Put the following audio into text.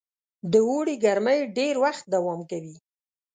د اوړي ګرمۍ ډېر وخت دوام کوي.